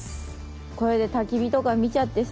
これでたき火とか見ちゃってさ。